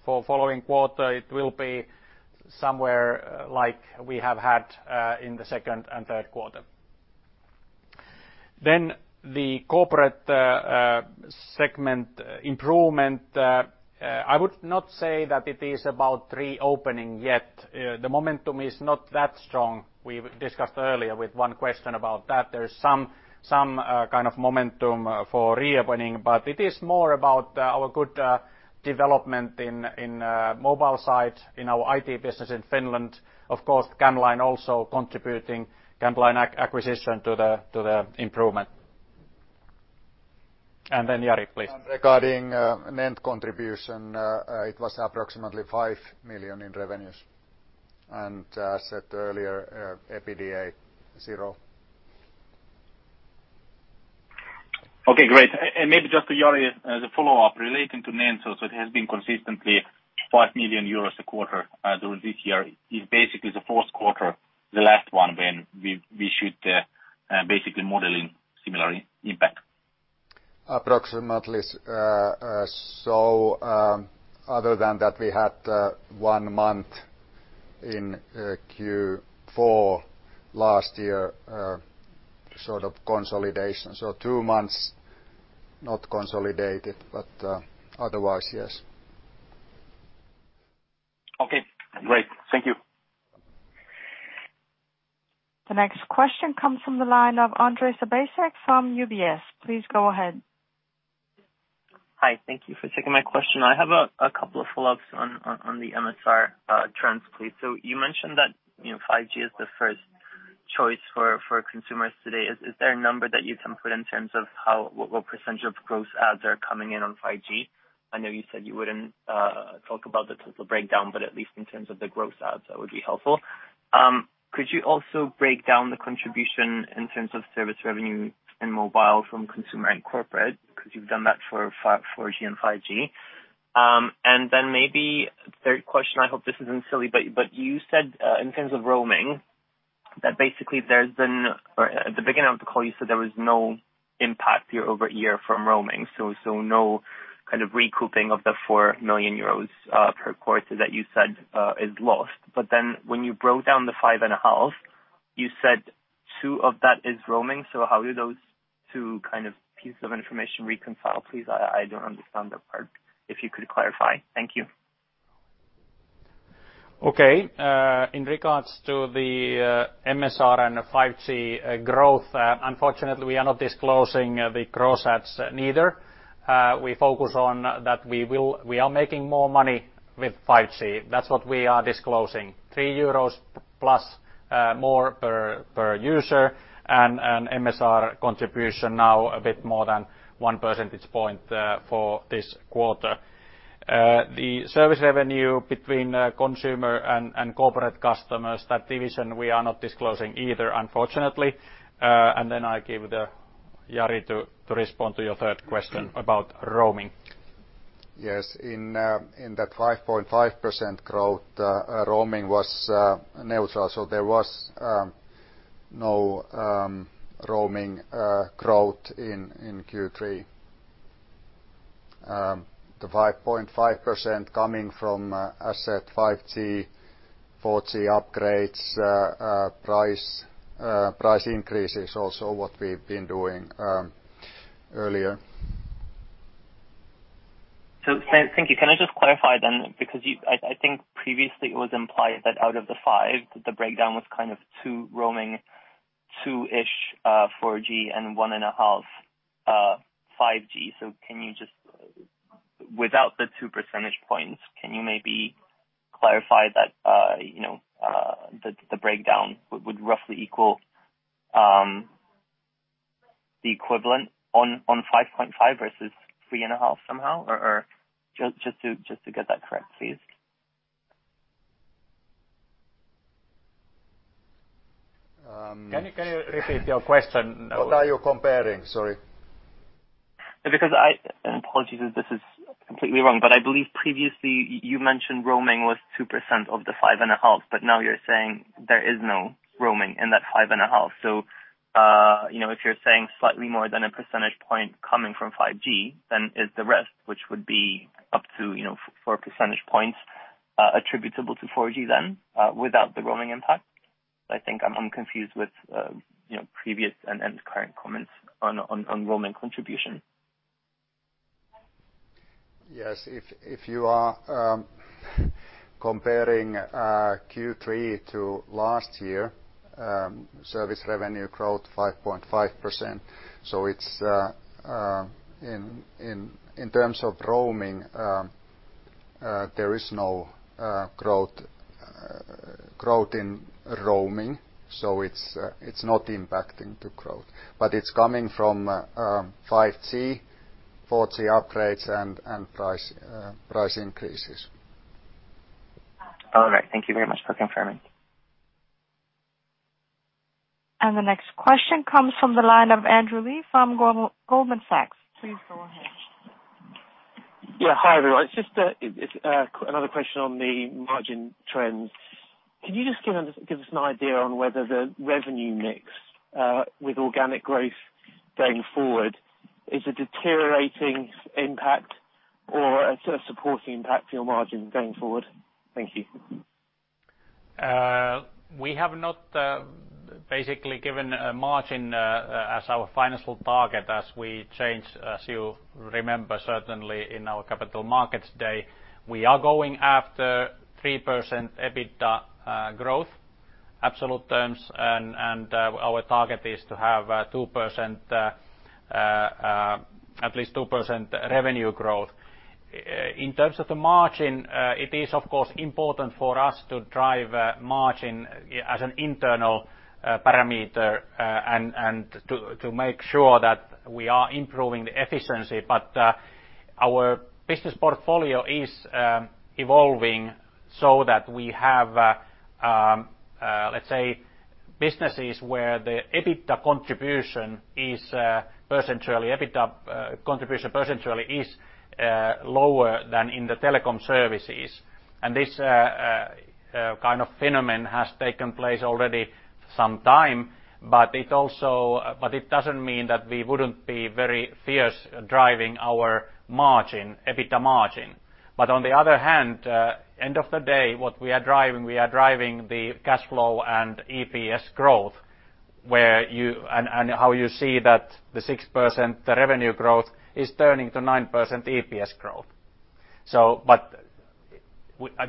for following quarter, it will be somewhere like we have had in the second and third quarter. The corporate segment improvement, I would not say that it is about reopening yet. The momentum is not that strong. We discussed earlier with one question about that. There is some kind of momentum for reopening, but it is more about our good development in mobile side, in our IT business in Finland, of course, camLine also contributing, camLine acquisition to the improvement. Jari, please. Regarding NENT contribution, it was approximately 5 million in revenues. As said earlier, EBITDA 0. Okay, great. Maybe just to Jari as a follow-up relating to NENT also, it has been consistently 5 million euros a quarter during this year. Is basically the fourth quarter the last one when we should basically modeling similar impact? Approximately, other than that we had one month in Q4 last year consolidation. Two months not consolidated, otherwise, yes. Okay, great. Thank you. The next question comes from the line of Ondrej Cabejsek from UBS. Please go ahead. Hi. Thank you for taking my question. I have a couple of follow-ups on the MSR trends, please. You mentioned that 5G is the first choice for consumers today. Is there a number that you can put in terms of what percentage of gross adds are coming in on 5G? I know you said you wouldn't talk about the total breakdown, but at least in terms of the gross adds, that would be helpful. Could you also break down the contribution in terms of service revenue in mobile from consumer and corporate? You've done that for 4G and 5G. Maybe third question, I hope this isn't silly, but you said, in terms of roaming, that basically at the beginning of the call, you said there was no impact year-over-year from roaming, so no kind of recouping of the 4 million euros per quarter that you said is lost. When you broke down the 5.5%, you said 2% of that is roaming. How do those two kind of pieces of information reconcile, please? I don't understand that part, if you could clarify. Thank you. In regards to the MSR and the 5G growth, unfortunately, we are not disclosing the gross adds neither. We focus on that we are making more money with 5G. That's what we are disclosing, 3+ euros more per user and an MSR contribution now a bit more than 1 percentage point for this quarter. The service revenue between consumer and corporate customers, that division, we are not disclosing either, unfortunately. I give Jari to respond to your third question about roaming. Yes. In that 5.5% growth, roaming was neutral. There was no roaming growth in Q3. The 5.5% coming from asset 5G, 4G upgrades, price increases, also what we've been doing earlier. Thank you. Can I just clarify? I think previously it was implied that out of the 5%, the breakdown was kind of 2 percentage points roaming, 2-ish 4G, and 1.5 5G. Can you just, without the 2 percentage points, can you maybe clarify that the breakdown would roughly equal the equivalent on 5.5% versus 3.5% somehow? Just to get that correct, please. Can you repeat your question? What are you comparing? Sorry. I, apologies if this is completely wrong, but I believe previously you mentioned roaming was 2% of the 5.5%, but now you're saying there is no roaming in that 5.5%. If you're saying slightly more than a percentage point coming from 5G, then is the rest, which would be up to 4 percentage points, attributable to 4G then, without the roaming impact? I think I'm confused with previous and current comments on roaming contribution. Yes. If you are comparing Q3 to last year, service revenue growth 5.5%. In terms of roaming, there is no growth in roaming. It's not impacting the growth, but it's coming from 5G, 4G upgrades and price increases. All right. Thank you very much for confirming. The next question comes from the line of Andrew Lee from Goldman Sachs. Please go ahead. Yeah. Hi, everyone. It is just another question on the margin trends. Could you just give us an idea on whether the revenue mix, with organic growth going forward is a deteriorating impact or a sort of supporting impact to your margin going forward? Thank you. We have not basically given a margin as our financial target as we change, as you remember, certainly in our Capital Markets Day. We are going after 3% EBITDA growth, absolute terms, and our target is to have at least 2% revenue growth. In terms of the margin, it is, of course, important for us to drive margin as an internal parameter, and to make sure that we are improving the efficiency. Our business portfolio is evolving so that we have, let's say, businesses where the EBITDA contribution percentually is lower than in the telecom services. This kind of phenomenon has taken place already some time, but it doesn't mean that we wouldn't be very fierce driving our margin, EBITDA margin. On the other hand, end of the day, what we are driving, we are driving the cash flow and EPS growth, and how you see that the 6% revenue growth is turning to 9% EPS growth. The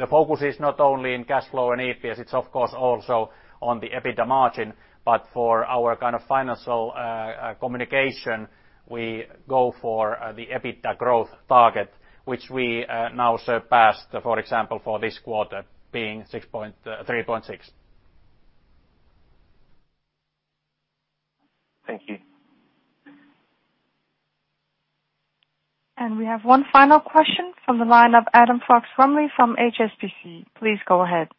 focus is not only in cash flow and EPS, it's of course also on the EBITDA margin, but for our kind of financial communication, we go for the EBITDA growth target, which we now surpassed, for example, for this quarter being 3.6%. Thank you. We have one final question from the line of Adam Fox-Rumley from HSBC. Please go ahead.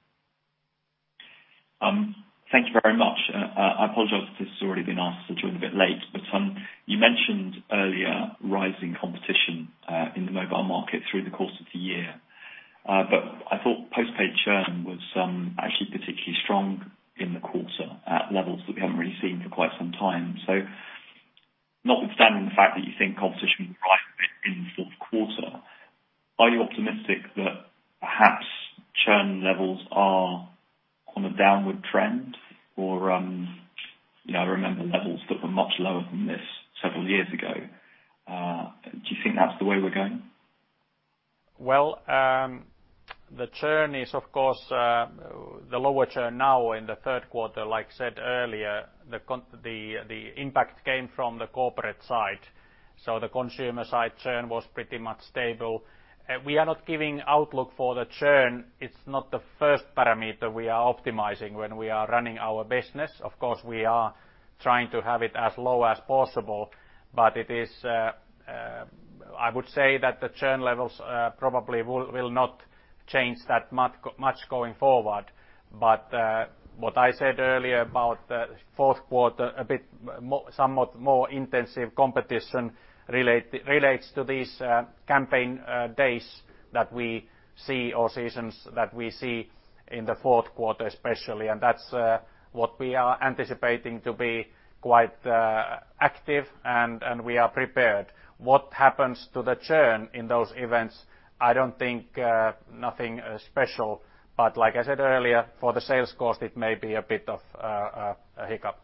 Thank you very much. I apologize if this has already been asked, I joined a bit late. You mentioned earlier rising competition in the mobile market through the course of the year. I thought post-paid churn was actually particularly strong in the quarter at levels that we haven't really seen for quite some time. Notwithstanding the fact that you think competition will rise a bit in the fourth quarter, are you optimistic that perhaps churn levels are on a downward trend? I remember levels that were much lower than this several years ago. Do you think that's the way we're going? The churn is, of course, the lower churn now in the third quarter, like I said earlier, the impact came from the corporate side. The consumer side churn was pretty much stable. We are not giving outlook for the churn. It's not the first parameter we are optimizing when we are running our business. Of course, we are trying to have it as low as possible, but I would say that the churn levels probably will not change that much going forward. What I said earlier about the fourth quarter, somewhat more intensive competition relates to these campaign days that we see or seasons that we see in the fourth quarter especially. That's what we are anticipating to be quite active and we are prepared. What happens to the churn in those events, I don't think nothing special, but like I said earlier, for the sales cost, it may be a bit of a hiccup.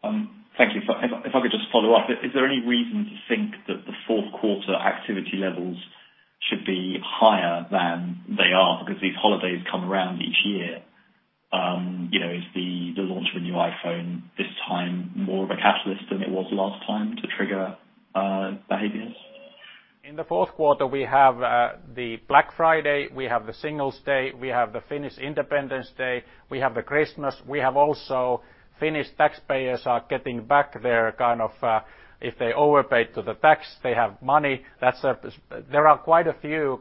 Thank you. If I could just follow-up. Is there any reason to think that the fourth quarter activity levels should be higher than they are because these holidays come around each year? Is the launch of a new iPhone this time more of a catalyst than it was last time to trigger behaviors? In the fourth quarter, we have the Black Friday, we have the Singles Day, we have the Finnish Independence Day, we have the Christmas. We have also Finnish taxpayers are getting back their, if they overpaid to the tax, they have money. There are quite a few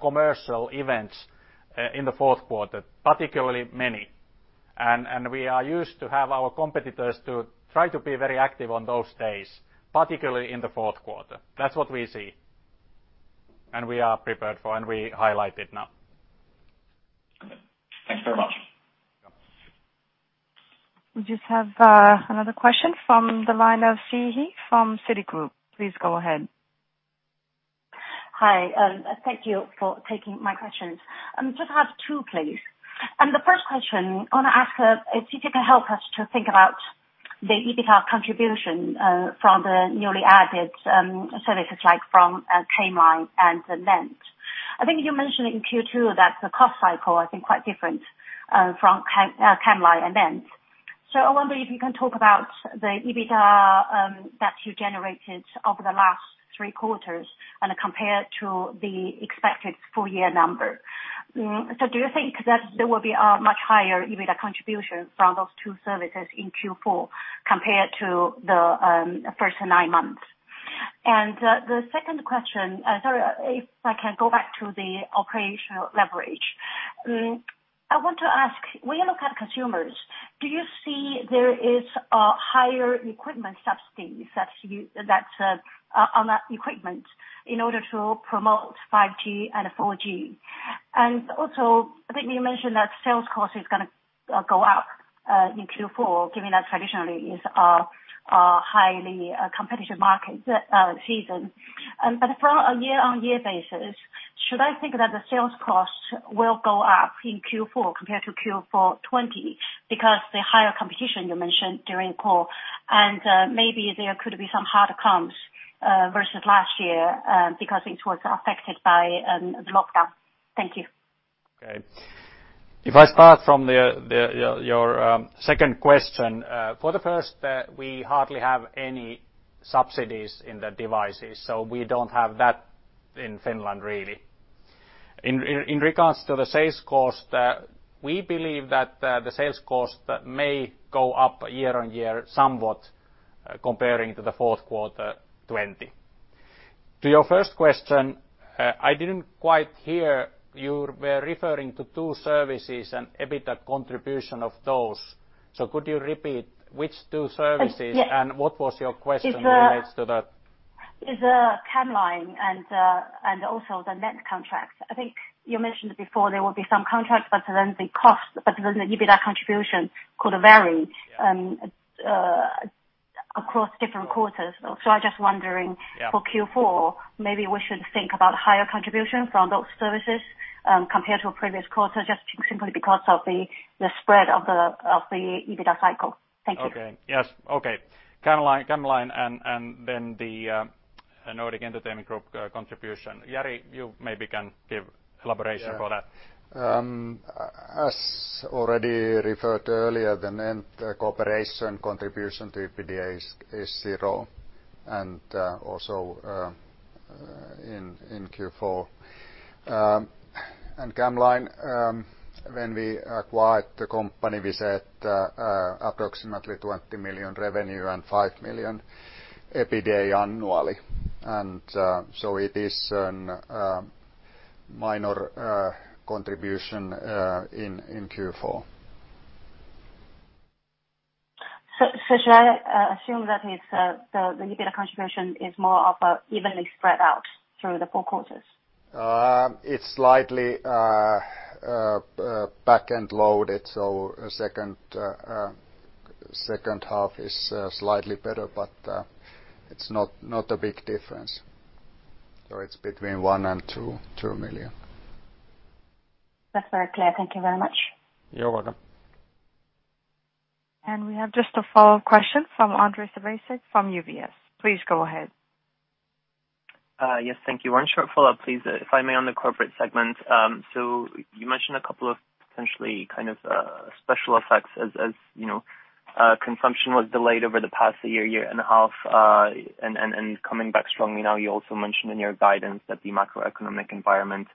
commercial events in the fourth quarter, particularly many. We are used to have our competitors to try to be very active on those days, particularly in the fourth quarter. That's what we see. We are prepared for and we highlight it now. Okay. Thanks very much. Yeah. We just have another question from the line of Siyi He from Citigroup. Please go ahead. Hi, thank you for taking my questions. Just have two, please. The first question I want to ask if you can help us to think about the EBITDA contribution from the newly added services like from camLine and NENT Group. I think you mentioned in Q2 that the cost cycle quite different from camLine and NENT Group. I wonder if you can talk about the EBITDA that you generated over the last three quarters and compare to the expected full year number. Do you think that there will be a much higher EBITDA contribution from those two services in Q4 compared to the first nine months? The second question, sorry, if I can go back to the operational leverage. I want to ask, when you look at consumers, do you see there is a higher equipment subsidy on that equipment in order to promote 5G and 4G? Also, I think you mentioned that sales cost is going to go up in Q4, given that traditionally is a highly competitive market season. From a year-on-year basis, should I think that the sales cost will go up in Q4 compared to Q4 2020 because the higher competition you mentioned during call, and maybe there could be some hard comps versus last year because it was affected by the lockdown. Thank you. Okay. If I start from your second question. For the first, we hardly have any subsidies in the devices, so we don't have that in Finland, really. In regards to the sales cost, we believe that the sales cost may go up year-on-year somewhat comparing to the fourth quarter 2020. To your first question, I didn't quite hear, you were referring to two services and EBITDA contribution of those. Could you repeat which two services and what was your question relates to that? It's camLine and also NENT contracts. I think you mentioned before there will be some contracts, the EBITDA contribution could vary- Yeah across different quarters. Yeah For Q4, maybe we should think about higher contribution from those services compared to a previous quarter, just simply because of the spread of the EBITDA cycle. Thank you. Okay. Yes. Okay. camLine and then the Nordic Entertainment Group contribution. Jari, you maybe can give elaboration for that. As already referred to earlier, NENT cooperation contribution to EBITDA is zero, and also in Q4. camLine, when we acquired the company, we said approximately 20 million revenue and 5 million EBITDA annually. It is a minor contribution in Q4. Should I assume that the EBITDA contribution is more of a evenly spread out through the 4 quarters? It's slightly back-end loaded, so second half is slightly better, but it's not a big difference. It's between 1 million and 2 million. That's very clear. Thank you very much. You're welcome. We have just a follow-up question from Ondrej Cabejsek from UBS. Please go ahead. Yes. Thank you. One short follow-up, please, if I may, on the corporate segment. You mentioned a couple of potentially special effects as consumption was delayed over the past year and a half, and coming back strongly now. You also mentioned in your guidance that the macroeconomic environment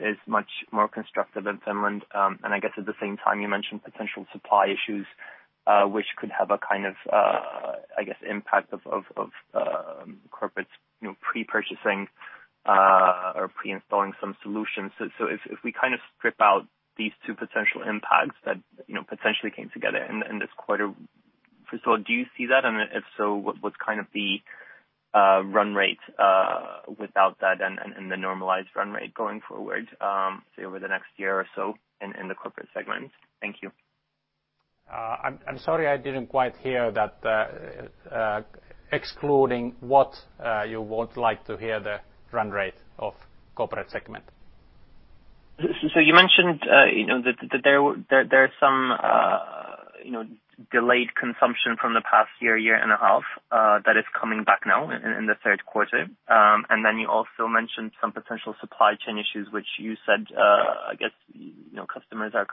is much more constructive in Finland. I guess at the same time, you mentioned potential supply issues, which could have, I guess, impact of corporates pre-purchasing or pre-installing some solutions. If we strip out these two potential impacts that potentially came together, first of all, do you see that? If so, what's the run rate without that and the normalized run rate going forward, say, over the next year or so in the corporate segment? Thank you. I'm sorry, I didn't quite hear that. Excluding what you would like to hear the run rate of corporate segment? You mentioned that there's some delayed consumption from the past year and a half that is coming back now in the third quarter. You also mentioned some potential supply chain issues, which you said, I guess customers are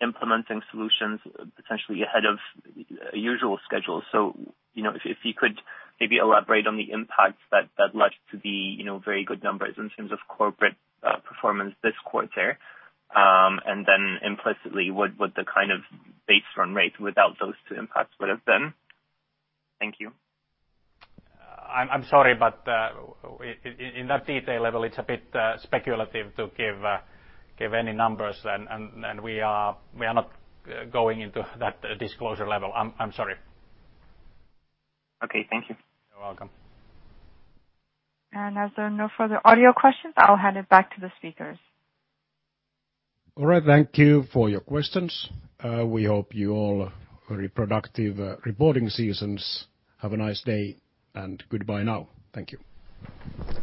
implementing solutions potentially ahead of usual schedule. If you could maybe elaborate on the impacts that led to the very good numbers in terms of corporate performance this quarter, and then implicitly, what the base run rate without those two impacts would have been. Thank you. I'm sorry, but in that detail level, it's a bit speculative to give any numbers, and we are not going into that disclosure level. I'm sorry. Okay. Thank you. You're welcome. As there are no further audio questions, I'll hand it back to the speakers. All right. Thank you for your questions. We hope you all very productive reporting seasons. Have a nice day, and goodbye now. Thank you.